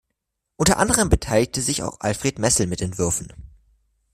Unter anderem beteiligte sich auch Alfred Messel mit Entwürfen.